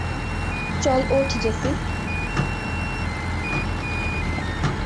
চল ওঠ জেসি!